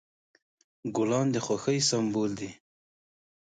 ګلان د خوښۍ سمبول دي.